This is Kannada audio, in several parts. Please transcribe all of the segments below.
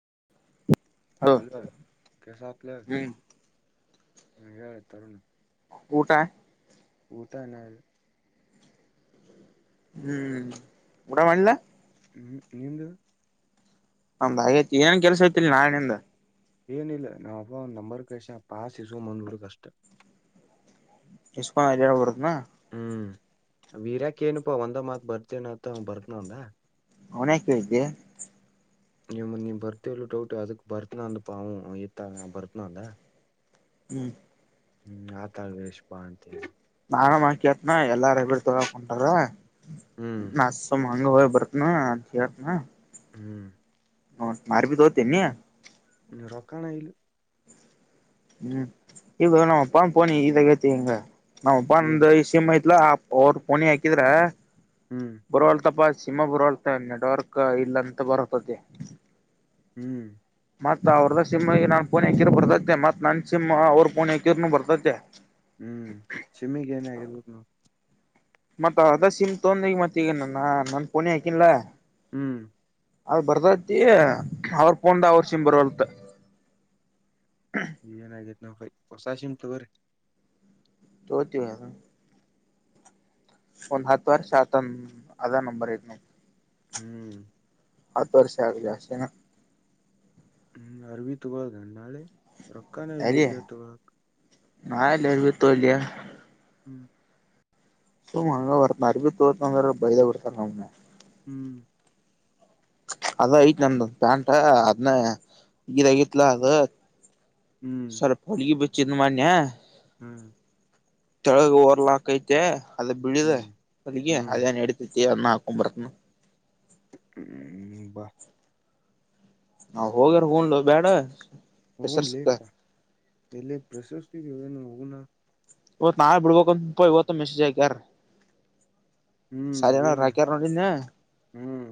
[inaudible] ಹಲೋ ಕೆಳಸತ್ಲೇ ಹ್ಮ್ ಹ್ಮ್ ಹೇಳ ತರುಣ್. ಊಟ ಊಟ ಹಿನಾ ಇಲ್. ಹ್ಮ್ ಊಟ ಮಾಡಿಲ್. ಹ್ಮ್ ನಿಂದು. ನಮ್ದ್ ಆಗೈತಿ ಎನ್ ಕೆಲ್ಸ ಐತಿಲ್ ನಾಳೆ ನಿಂದ್. ಏನಿಲ್ಲ ನಮ್ ಅಪ್ಪ ಒಂದ ನಂಬರ್ ಕಸ್ಯ ಪಾಸ ಇಸಕೊಂಡ್ ಬಂದ್ ಬುಡುದ್ ಅಷ್ಟ. ಇಸ್ಕೊಂಡ ಅಡ್ಡಯಾಡ್ ಬರುದ್ನ. ಹ್ಮ್ ವೀರ್ಯಾಗ್ ಕೇಳಿನಪ್ಪ ಒಂದ ಮಾತ್ ಬರ್ತೇನತ್ತ ಹ್ಮ್ ಬರ್ತ್ ನಂದ. ಅವ್ನ ಯಾಕ್ ಕೇಳಿದ್ದಿ. ನೀಮ್ಮ ನೀ ಬರ್ತೀ ಇಲ್ಲೋ ಡೌಟ್ ಅದಕ್ ಬರ್ತನ ಅಂದಪ್ಪಾ ಅಂವು ಇತ್ತ ಬರ್ತ ನ ಅಂದ್ನ. ಹ್ಮ್ ಹ್ಮ್ ಆತಾಳ್ ಬೇಸ್ ಬಾ ಅಂತ ಹೇಳಿದ್ ನಾನ ಮಾತ್ ಕೇಳ್ತ್ನ ಎಲ್ಲಾರ ಬಿಟ್ ತಿಗೋಳಕ್ ಹೊಂಟಾರ ಹ್ಮ್ ನಾ ಸುಮ್ ಹಂಗ ಹೋಗಿ ಬರ್ತ್ನನ ಅಂತ ಹೇಳ್ತ್ನ. ಹ್ಮ್ ಅಂವ ಅರ್ಬ್ರಿ ತತೆನಿ. ಹ್ಮ್ ರೊಕ್ಕನೆ ಇಲ್. ಹ್ಮ್ ಈಗ ನಮ್ಮ ಪನ್ ಪನಿ ಇದಾಗೈತಿ ಹಿಂಗ ನಮ್ಮ ಏನ್ ಪಂದ ಸಿಮ ಐತಿ. ಇಲ್ಲ ಅವ್ರ ಪೋಣಿ ಹಾಕಿದ್ರ ಹ್ಮ್ ಬರುವವಲ್ ತಪ. ಸಿಮ್ಮ ಬುರಳ್ತ ನೆಡ್ವಾರ್ಕ್ ಇಲ್ಲ ಅಂತ ಬರತ್ತದೆ. ಹ್ಮ್ ಮತ್ತತ್ ಅವ್ರದ ಸಿಮ್ ನಾನನ್ ಪುಣಕಿರ್ ಬರ್ತೈತೆ ಮತ್ ನನ್ ಸಿಮ್ ಅವ್ರ ಪುಣೆಕಿರ್ನು ಬರ್ತೈತೆ. ಹ್ಮ್ ಸಿಮ್ಮಿಗ್ ಏನಾಗಿರ್ಬದು. ಮತ್ ಅದ ಸಿಮ್ ತೊಂದ ಈಗ ಮತ್ ಈಗ ನನ್ನ ನನ್ ಪೋನಿ ಹಾಕಿನಲ್ಲಾ. ಹ್ಮ್ ಅ ಬರ್ದೈತಿ ಅವ್ರ ಪೊಂಡ ಅವರ್ಷಿಮ ಬರವಲ್ತ್. ಏನಾಗೇತ್ ನಾವ್ ಹೊಸ ಶಮಟುಗ್ರರಿ. ತಗೊತಿವ್. ಒಂದ್ ಹತ್ತು ವರ್ಷ ಆತಂದ ಅದ ನಂಬರ್ ಐತ್ ನಂದ್. ಹ್ಮ್ ಹತ್ತು ವರ್ಷೆ ಆಗಿದೆ ಅಷ್ಟೆ ನಾ. ಹ್ಮ್ ಅರವಿ ತುುವಳ ನ ನಾಳೆ ರೊಕ್ಕಾನ ಲೋಡ್ಲ ತುಾಗ. ನಾಲ್ಲ ಅರಿ ಬಿತ್ತು ಇಲ್ಲಿಯಾ. ಹ್ಮ್ ಸುಮ ಹಂಗ ಬರ್ತ ಅರಿಬಿ ತೋರ್ತಂದ್ರೆ ಬಯದ ಬರ್ತಾರ ನಮ್ಮ. ಹ್ಮ್ ಅದ ಐತ್ ನಂದು ಪ್ಯಾಂಟ ಅದ್ನ್ನ ಈರಗಿತ್ಲ ಅದು. ಹ್ಮ್ ಸರ್ಪ ಅಳಿಗೆ ಬಚಿದನಮನ್ಯಾ. ಹ್ಮ್ ತಳಗ ರ್ಲ ಹಾಕೈತೆ ಅದ ಬಿಳಿದೆ ಹ್ಮ್ ಅಲ್ಲಿಗೆ ಹ್ಮ್ ಅದೇನ್ ನಡಿತೈತಿ. ನ್ನ ಆಕಂಬರನ. ಹ್ಮ್ ಬಾ ನಾ ಹೋಗ್ಯಾರ ಹೂಂಡು ಬೇಡ. ಹ ಲೇ ಪಾ ಎಲೆ ಪ್ರಶಸ್ತಿ ಪನು ಹ. ಇವತ್ ನಾವೇ ಬಿಡ್ಬೇಕು ಅಂತ ಪ ಇವತ್ತು ಮೆಸೇಜ್ ಆಕ್ಯಾರ್. ಹ್ಮ್ ಸರಿನೋ ಏನ ರಾಕ್ಯಾರ ನೋಡ್ ನೆನ್ನ. ಹ್ಮ್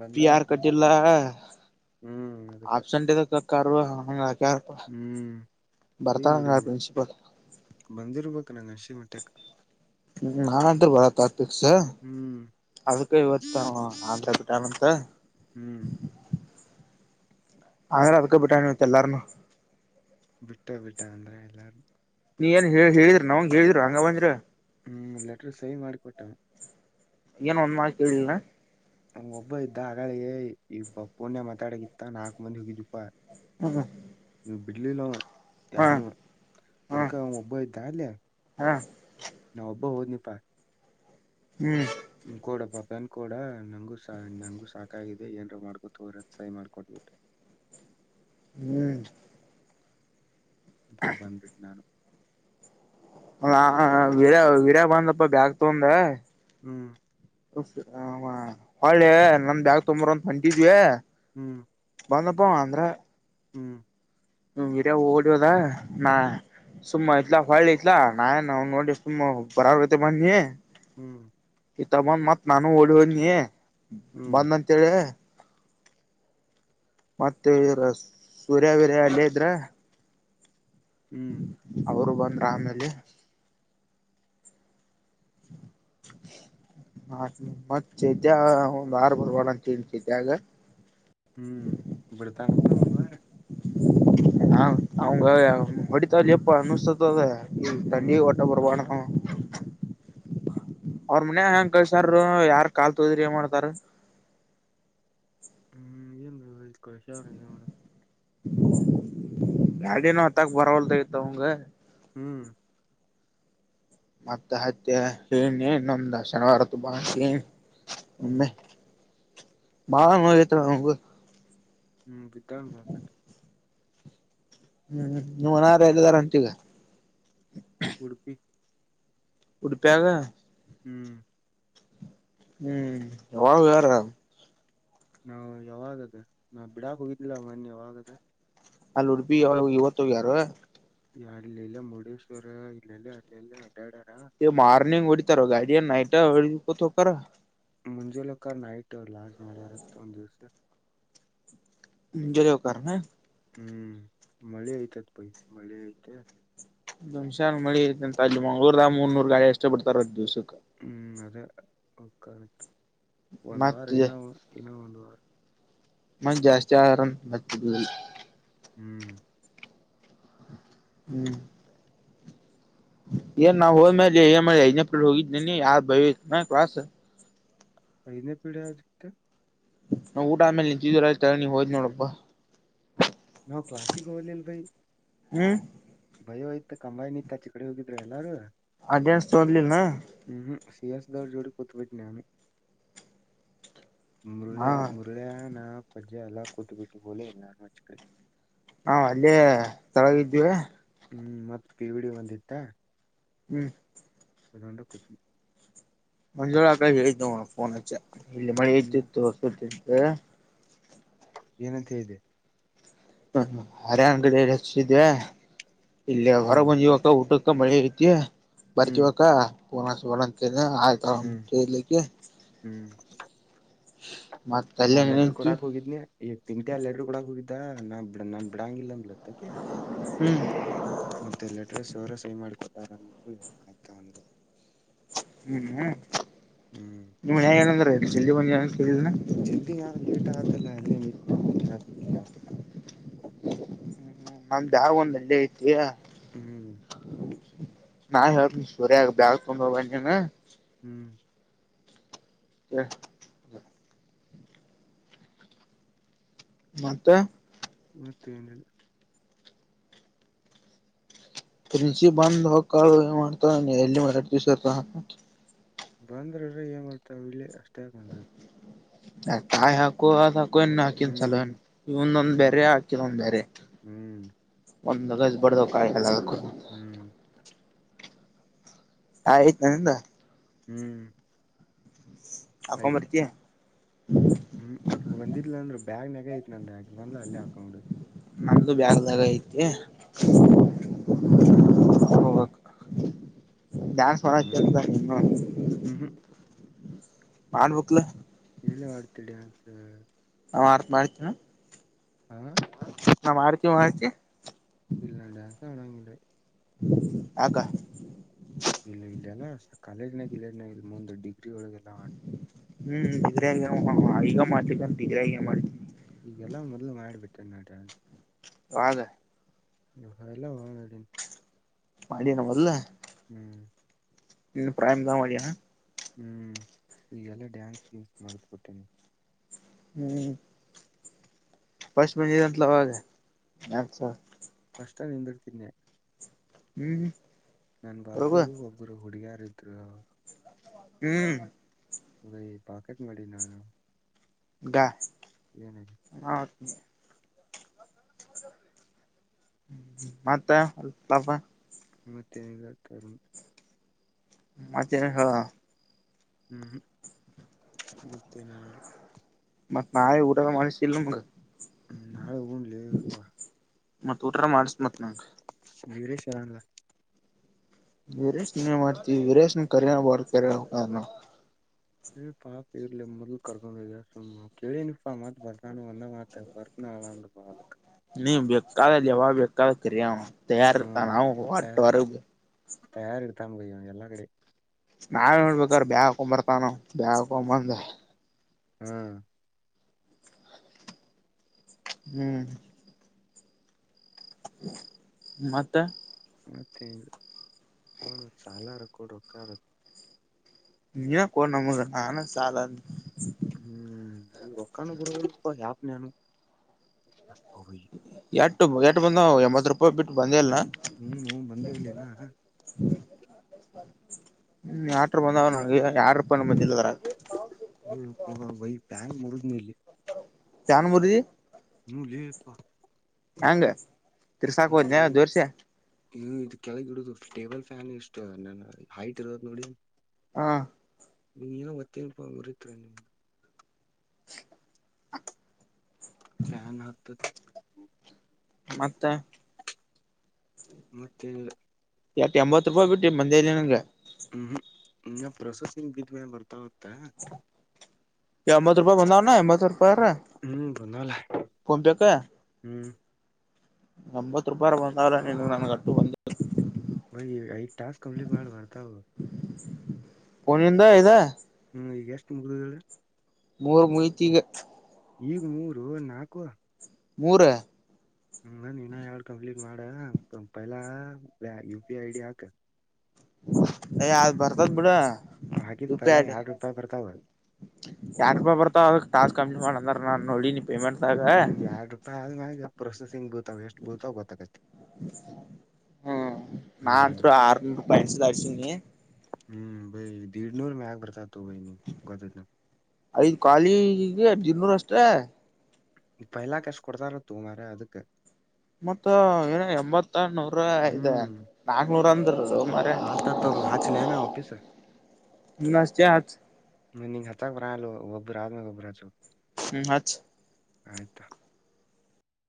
ಬಂದ ಪಿ ಯಾರ ಕಟ್ಟಿಲ್ಲ ಪ್ರಿನ್ಸಿಪಲ್ ಹ್ಮ್ ಅದಕ್ಕ ಆಪ್ಸಂಟ್ ಕಕ್ಕ ಹ. ರ ಹ್ಮ್ ಈಗ ಬರ್ತಾರ ನೋಡಿನ ಪ್ರಿನ್ಸಿಪಲ್. ಬಂದಿರ್ಬೇಕ ನಂಗ ಹಂಸಿ ಮಟ್ಟಕ್ಕ. ಹ್ಮ್ ನಾನಟ್ರ ಬರ ತಾರ್ಪಕ್ಸ. ಹ್ಮ್ ಅದಕ್ಕೆ ಇವತ್ತು ತರ ಆಂತ್ರ ಕಟಾನಂತ. ಹ್ಮ್ ಆಂದ್ರೆ ಅದಕ ಬಿಟ್ಟಾನ ಇತ್ತ ಎಲ್ಲಾರನು. ಬಿಟ್ಟ ಬಿಟ್ಟ ಅಂದ್ರೆ ಎಲ್ಲಾರು. ನೀ ಏನ್ ಹೇಳ ಹೇಳಿದ್ರಿ ನವಂಗ ಹೇಳಿದ್ರರು ಹಂಗ ಬಂದ್ರಿ. ಹ್ಮ್ ಲೆಟರ್ ಸೈವ್ ಮಾಡಿಕೊಟ್ಟನ ‌. ಏನ ಒಂದ ಮಾತ್ ಕೇಳಿಲ್ಲ. ನಮ್ ಒಬ್ಬ ಇದ್ದ ಹಾಗಳಿಗೆ ಇಬ್ಬ ಪುಣ್ಯ ಮಾತಾಡಕ್ಕಿತ್ತ ನಾಕ್ ಮಂದಿ ಹೋಗಿದಪ್ಪಾ. ಹ್ಮ್ ನೀ ಬಿಡ್ಲಿಲ್ಲ ಅವ ಹಾ ಯಾರನು ಹಾ ಅದಕ್ಕ ಅವ ಒಬ್ಬ್ದಾ ಅಲ್ಯ. ಹಾ ಬಹ ನಿಪಾಯ. ಹ್ಮ್ ಹ್ಮ್ ಕ ಕೊಡ ಪ ಪ್ಯಾನ್ ಕಡ ನಂಗೂ ನಂಗೂ ಸಾಕಾಗಿದೆ ಏನ್ರ ಮಾಡ್ಕೊತ ಹರ ಸಹಿ ಮಾಡ್ಕೊಟ್. ಹ್ಮ್ ಅ ಕ ಬಂದ್ಬಿಟ್ಟ ನಾನು. ಯ ವಡ ವೀಡ್ಯ ಬಂದಪ್ಪ ಬ್ಯಾಗ್ ತಂದ. ಹ್ಮ್ ಹೊಳೆ ನನ್ ಬ್ಯಾಗ್ ತೊಂಬರ್ ಅಂತ ಹೊಂಟಿದ್ವಿ ಹ್ಮ್ ಬಂದಪ್ಪ ಅಂದ್ರ ಹ್ಮ್ ಹ ಹಿರಿಯ ಓಡಿ ಹಿಡದಾ ನಾ ಸುಮ್ಮ ಇತ್ಲಾ ಹೊಳ್ಳಿ ಇತ್ಲಾ ನಾನ್ ನ ನೋಡಿ ಸುಮ್ಮ್ ಬರಾರಗತೆ ಬನ್ನಿ ಹ್ಮ್ ಇ ತ ಬಂದ್ ಮತ್ ನಾನು ಓಡಿ ಹೋದ್ನಿ ಹ್ಮ್ ಬಂದಂತೇಹೆಳೇ ಮತ್ತೆ ಇವರ ಸೂರ್ಯ ವೀರ್ಯ ಅಲ್ಲೇ ಇದ್ರ ಹ್ಮ್ ಅವರು ಬಂದ್ರ ಆಮೇಲೆ ಹ್ಮ ಹ ಮತ್ತ ಚೈತಾ ಒಂದ್ ಆರು ಬರ್ರುವಡ ಅಂತಿ ಚೈತಾಗ ಹ್ಮ್ ಬಿಡ್ತಾನತ್ ಒಂದ ವಾರ ಹಾ ಅವಂಗ ಹೊಡಿತ ಎಪ್ಪ ಅನ್ನಿಸ್ತದ ಡಿ ಹ್ಮ್ ವಟ ಬರಬಾರದ್ ಹೂ ಅವ್ರ ಮನ್ಯಾಗ ಹಂಗ್ ಕಳಿಸಾರ್ ಯಾರ್ ಕಾಲ್ ತೋದ್ರಿ ಏನ್ ಮಾಡ್ತಾರು ಹ್ಮ್ [unintelligible] ಗಾಡಿ ನ ಹತ್ತಾಕ್ ಬರವಲತ್ ಅವಂಗ ಹ್ಮ್ ಮತ್ತ ಹತ್ಯೆ ಹೇಳಿ ನೀ ನಮ್ದ ಶನಿವಾರ ತು ಬಾ ಅಂತ ಹೇಳಿ ಹ್ಮ್ ಬಾಳ ನೋವಾಗುತ್ತಳ ಅವಂಗು ಹ್ಮ್ ಬಿದ್ದಾನ್ ಬಾಳ ಕೇಟ್ ಹ್ಮ್ ನೀವ್ ಅನಾರ ಎಲ್ಲಿದಾರ ಅಂತೀಗ ಉಡುಪಿ ಉಡುಪ್ಯಾಗ ಹ್ಮ್ ಹ್ಮ್ ಎವಾಗ ಹೇಳಿಯಾರ ನಾವ ಯಾವಾಗದ ನಾ ಬಿಡಕ್ ಹೋಗಿದನಲ್ಲ ಮೊನ್ನೆ ಯಾವಾಗದ ಅಲ್ಲಿ ಉಡುಪಿ ಒಳಗ ಇವತ್ತ ಹೋಗ್ಯಾರೋ ಯಾರಲಿಲ್ಲ ಮುರುಡೇಶ್ವರ ಇಲ್ಲ ಅಲ್ಲಲ್ಲ ಮಾರ್ರ್ನಿಂಗ್ ಹೊಡಿತಾರ ಗಾಡಿಯ ನೈಟ್ ಹೊಡಕತಹೋಕಾರೋ ಮುಂಜೆ ಹೋಕ್ಕಾರ ನೈಟ್ ಲಾರ್ಜ್ ಮಳೆ ಇರುತ್ತೆ ಒಂದ್ ದಿವಸ ಮುಂಜಾನೆ ಹೋಕಾರೆನ್ ಹ್ಮ್ ಮಳಿ ಐಯತತ್ ಪೈ ಮಳಿ ಐಯತ್ ದುಮಶ್ಯಾನ್ ಮಳಿ ಐತ ಅಂತ ಅಲ್ಲಿ ಮಂಗ್ಳೂರ್ ಆ ಮೂರ್ ನೂರು ಗಾಳಿ ಅಷ್ಟು ಬಿಡ್ತಾರ ಅದು ದಿವ್ಸಕ್ಕೆ ಹ್ಮ್ ಅದೇ ಕರೆಕ್ಟ್ ಒಂದು ವಾರ ಮತ್ ಇನ್ನ ಇನ್ನ ಒಂದು ಹ್ಮ ಮಂದಿ ಜಾಸ್ತಿ ಆದ್ರ ಮತ ಹ್ಮ್ ಹ್ಮ್ ಏ ನಾ ಹೋಗದ ಮ್ಯಾಲ ಯಾರ ಕ್ಲಾಸ ಐದನೇ ಪಿರಿಡ್ ಯಾವುದ ನಾ ಊಟ ಆಮೇಲೆ ನಿಂತಿದ್ದವು ನೀ ಹೋದ್ ನೋಡಪ್ಪಾ ನಾವು ಕ್ಲಾಸಿಕ್ ಹೋಗಲಿಲ್ಲ ಭೈ ಹ್ಮ ಭಯೋಯ್ತ ಕಂಬಾಯಿ ನಿತ್ ಆಚಿಕಡೆ ಹೋಗಿದ್ರರು ಎಲ್ಲಾರೂ ಅಟೆಂಡೆನ್ಸ್ ತಗೋಲಿಲ್ಲ ಹ್ಮ್ ಸಿಯಸ್ ದವರ್ ಜೋಡಿ ಕೊತಬಿಟ್ಟನಾನು ಹಾ ಮುರುಳೆ ಮುರುಳೆ ನಾ ಪಜಾ ಎಲ್ಲಾರೂ ಕೂತ್ ಬಿಟ್ಟು ಹಲೇ ನಾನುಚ್ಕ ಹಾ ಅಲ್ಲೇ ತಳಗಿದ್ದೀವಿ ಹ್ಮ್ ಮತ್ತ್ ಪಿವಿಡಿ ಬಂದಿತ್ತ ಹ್ಮ್ ಅದೊಂಡ ಕುತಿಿ ಮಂಜೂಳ ಆಡೆ ಹೇಳ್ದ ಫೋನ್ಚೆ ಇಲ್ಲಿ ಮಳಿ ಹ್ಮ್ ತಿತ್ತುಪ ಏನಂತ ಹೇಳಿದೆ ಹ್ಮ ಅರ ಅಂಗ್ಗಡೆಕ್ಷಿದವೆ ಇಲ್ಲ ಹೊರ ಹ್ಮ್ ಮುಂಜವಕ್ಕ ಊಟಕ್ಕೆ ಮಳಿ ರೀತಿ ಹ್ಮ್ ಬರ್ತಿವಕ ಪೂರ್ನಂತ ಹ್ಮ್ ಆಯ್ತಕ್ಕೆ ಅಲ್ಲೇ ನಾನ್ ಲೆಟರ್ ನಿಂತ್ವಿ ಕೊಡಕ್ ಹೋಗಿದನಿ ಈಗ ತಿಂಟಿ ಅ ಲೆಟರ್ ಕೊಡಕ್ ಹೋಗಿದ್ದ ನಾನ್ ಬಿ ನಾನ್ ಬಿಡಂಗಿಲ್ಲ ಅಂದ್ಲ ಹ್ಮ್ ಮತ್ತೆ ಎಲ್ಲಟ್ರ ಸೋರ ಸಹ ಮಾಡಕೊ ಆಯ್ತ ಹ್ಮ್ ಹ್ಮ್ ಹ್ಮ್ ನಿಮ್ ಹೆಂಗೇಏನಂದ್ರೆ ಜಲ್ಲಿಿ ಬಂದ ಜಲ್ದಿ ನಾವ ಲೇಟ್ ಆಗತ್ತಲ್ಲ ಅಲ್ಲೇ ನಿ ಕಲಿಯ ಹ ನಮ್ದ ಯಾವ ಒಂದ್ ಹಳ್ಳಿ ಐತಿಾ ಹ್ಮ್ ನಾ ಹೇಳ್ ಸುರ್ಯ ಬ್ಯಾಗ ತೊಂಬ ಬನ್ನನು ಹ್ಮ್ ಹ ಮತ್ತ ಮೂವತ್ತ ಏನ ಓ ಚಿ ಬಧ ಕಾ ಮಾಡತ ಹೆಲ್ಲಿ ಮರ ವಿಸ ಬಂದ್ರ್ರ ಏ ಮಾಡ್ತಾವ ಇಲ್ಲಿ ಅಷ್ಟೇ ಬಂದ್ದು ತಾಯಿ ಹಾಕು ಅ ಹಾಕು ಹಾಕು ಇನ್ ಹಾಕನ್ ಸಲ ಹ್ಮ್ ಇಂದೊಂದ್ ಹ್ಮ್ ಬೇರೆ ಹಾಕಿದ ಒಂದ್ ಬೇರೆ ಹ್ಮ್ ಒಂದ್ಗಜ ಬಡ್ದ ಕಾಯಿಲ್ಲ ಹ್ಮ್ ಆಯ್ತು ನಂದ ಹ್ಮ್ ಆಯ್ತು ಆಕಂಬರ್ತ ಹ್ಮ್ ಅಗ ಬಂದಿದ್ಲ ಅಂದ್ರ ಬ್ಯಾಗ್ ನಾಗ ಐತ್ ನನ್್ರ ಅಗ ಬಂದ್ ಅಲ್ಲೇ ಹಾಕೊಂಡಿಡುದು ನಮ್ದು ಬ್ಯಾಗದಾಗ ಐತಿ ಹ್ಮ್ ಹ ಡ್ಯಾನ್ಸ್ ಹೊರ ಹ್ಮ್ ಹ್ಮ್ ಹ್ಮ್ ಮಾಡ ಬುಕ್ಲ ಎಏಲೆ ಆಡ್ತ ಡನ್ಸ ಹ ಆಾರ್ಪಳಿತಣ ಹಾ ನಾ ಮಾಡ್ಕ ಮಾಡ್ಕ ಇಲ್ಲಂಡ ಸ ಅವಣಂಗೆ [unintelligible] ಆಗ ಕಾಲೇಜ್ನ ಇಲ್ಲನ ಇಲ್ಲಿ ಮುಂದ ಡಿಗ್ರಿ ಒಳಗೆಲ್ಲ ಮಾಡ ಹ್ಮ್ ಬಗ್ರಾಗ ಈಗ ಮಾಡ್ತ ಬಗ್ರಾಗೇ ಮಾಡ್ತವಿ ಈಗೆಲ್ಲಾ ಮೊದ್ಲು ಮಾಡಯಿಬಟ್ಟ ನಟಾಜ್ ಹದ ಹಲ್ಲಾ ವನಡನ್ ಮಾಡಡಿಯನ ಮೊದಲ ಹ್ಮ್ ಇ ಪ್ರಾಯಮದ ಮಾಡ ಹ್ಮ್ ಈಗೆಲ್ಲ ಡ್ಯಾನ್ಸ್ ಗಸ್ ಮಾಡ್ದ್ ಕೊಟ್ಟೇನೆ ಹ್ಮ್ ಫ್ರಿಸ್ಟ್ ಬಂದಿದ್ನಾತಲ್ಲ ಅವಾಗ ಡಾನ್ಸ್ ಫ್ರಿಸ್ಟ್ ನಿಂದಿರ್ತೀದ್ದೆ ಹ್ಮ್ ಹ್ಮ್ ನನ್ನ ಬಾಜು ಒಬ್ಬರು ಹುಡಿಗ್ಯಾರ್ ಇದ್ರು ಹ್ಮ್ ಭೈ ಪಾಕೆಟ್ ಮಾಡಿ ನಾನ ಗಾ ಏನೆ ಹ ಮತ್ತೆ ಮತ್ತೆ ಏನಿಲ್ಲ ಕೇಳುಮ ಮತ್ತೆ ಏನ್ ಹೇಳೋ ಹ್ಮ್ ಮತ್ ಏನಿಲ್ಲ ಮತ್ತ ನಾಯಿಊಟ ಮಾಡಿಸಿಲ್ಲ ನಿನಗೆ ನಾಳೆ ಹೂನ್ಲಿ ಮತ್ ಊಟರ ಮಾಡಸ್ ಮತ್ ನಂಗ ವಿರೀಶ್ ಅವ್ನಲ್ಲ ವೀರೇಶನ ಮಾಡ್ತೀವಿ ವೀರೇಶನ್ ಕರಿ ಬೇಕೇನು ಏ ಪಾಪ ಇರ್ಲಿ ಮೊದ್ಲು ಕೇಳೀನಿ ಮತ್ ಬರ್ತಾನ ಅಂದ ಮಾತರ್ತ [inaudible] ನೀ ಬೇಕ ಲಾವ ಬೇಕಳ ಕಿಯ ತಾರಾವಪ್ಪ ನಾವು ತಯಾರಿರ್ತಾನೆ ಬೈ ಎಲ್ಲಾ ರೆಡಿ ನಾವ ಹೇಳ್ಬೇಕ್ರ ಬ್ಯಾಗ್ ಹಾಕೊಂಡು ಬರ್ತಾನ ಬ್ಯಾಕೊ ಬಂದ ಹ್ಮ್ ಹ್ಮ್ ಮತ್ತೆ ಸಾಲ ಆದ್ರು ಕೊಡು ರೊಕ್ಕರಾ ನೀನಾ ಕೊಡ್ ನಮಗೆ ನನ್ಗೆ ಸಾಲ ಆದ ಹ್ಮ್ ರೊಕ್ಕಾನು ಕೊಡಪ್ಪ ಯಾರ್ ನೀನು [inaudible] ಎಟ್ ಬಂದ್ ಎಂಬತ್ ರೂಪಾಯಿ ಬಿಟ್ಟು ಬಂದೇ ಇಲ್ಲ ಹ್ಮ್ ಬಂದಿಲ್ಲ ಇನ್ನ ಹ್ಮ್ ಅಟ್ರಾವ ಬಂದವ ಎರಡ್ ರೂಪಾಯಿಯಿ ಬಂದಿಲ್ಲ ಲೀ ಎಪ್ಪೋ ಪ್ಯಾನ್ ಮುರಿದಿ ಇಲ್ಲಿ ಫ್ಯಾನ್ ಮುರಿದಿ ಹೂ ಲೀ ಯಪ್ಪ ಹಂಗ ತಿರ್ಸಾಕ ಹೋದ್ನ ದೋಸ್ತ ಹ್ ಇದು ಕೆಳಗ ಇಡುದು ಟೇಬಲ್ ಫ್ಯಾನ್ ಎಷ್ಟ ನ ಹೈಟ್ ಇರದ ನೋಡಿ ಹಾ ಏನೋ ಗೊತ್ತಿಲ್ಲಪ್ಪ ಮುರಿತು ಫ್ಯಾನ್ ಹಾಕಿ ಮತ್ತ ಮತ್ತೆ ಏನಿಲ್ಲ ಎಂಬತ್ತು ರೂಪಾಯಿ ಬಿಟ್ಟಿ ಬಂದೆ ಇಲ್ಲ ನನ್ಗೆ ಹ್ಮ್ ಹ್ಮ ಇ ಪ್ರೊಸೆಸಿಂಗ್ ಬರ್ತಾವ್ ಅಂತೆ ಎಂಬತ್ತು ರೂಪಾಯಿ ಬಂದಾವ್ನ ಎಂಬತ್ತು ರೂಪಾಯಿರ ಹ್ಮ್ ಬಂದವಲ್ಲ ಫೋನ್ ಪೈಗಾ ಹ್ಮ್ ಎಂಬತ್ತು ರೂಪಾಯಿ ಆದರೂ ಬಂದಲ್ಲ ನಿನಗ ನನಗೂ ಅಟ್ಟು ಬಂದಿಲ್ಲ ಐದ ಟಾಸ್ಕ್ ಕಂಪ್ಲೀಟ್ ಮಾಡು ಬರ್ತಾವ ಫೋನಿಂದ ಇದ ಹ ಈಗ ಎಷ್ಟು ಮುಗಿದವ ಹೇಳು ಮೂರ್ ಮುಯತಿಗ ಈಗ್ ಮೂರು ನಾಲ್ಕು ಮೂರ ಹ ಇನಾ ಎರಡು ಕಂಪ್ಲೀಟ್ ಮಾಡೂ ಫಿಲಾ U P I I D ಹಾಕ ಯ ಆದ ಬರ್ತದ್ ಬಿಡು ಹಾಕಿದ್ ಯು ಪಿ ಐ ಪೈಲಾ ಎರಡ್ ರೂಪಾಯಿ ಬರ್ತಾವ ಚಾರ ರೂಪಾಯಿ ಬರ್ತಾವ ಟಾಸ್ಕ್ ಕಂಪ್ಲೀಟ್ ಮಾಡ ಅಂದಾರ ನೋಡಿನಿ ಪೇಮೆಂಟ್ ದಾಗ ಹ್ಮ್ ಎರ ರೂಪಾಯಿ ಆದ್ಮಗ ಪ್ರೊಸೆಸಿಂಗ್ ಬೀಳುತಾವ ಎಷ್ಟ್ ಬೀಳ್ತಾವ ಗೊತ್ತಾಗಿದೆ ಹ್ಮ್ ನಾಹಂತ್ರು ಹಾರುನೂರು ರೂಪಾಯಿದು ಬಯಸುದರ್ಸಿನಿ ಹ್ಮ್ ಬೈ ದೀಡ್ನೂರ್ ಮೇಗ್ ಬರ್ತತ್ ಐದು್ ಖಾಲಿ ದಿೂರ್ ಅಷ್ಟೇ ಇಪ ಎಲ್ಲಾ ಕಸು ಕೊಡ್ತಾರ ತುಮ್ರ ಅದಕ್ಕೆ ಮತ್ತ ಏನ ಎಂಬತ್ ಮ ನೂರ ಇಐ ಹ್ಮ್ ನಾಕ್ನೂರ ಅಂದ್ರದು ಮರ ನೀ ನಿಂಗ ಹಚ್ಚಕರಲ್ಲ ಗೊಬ್ಬರ ಆದ ಮ ಗೊಬ್ಬರ ಚು ಹ್ಮ್ ಅ ಆಯ್ತಾ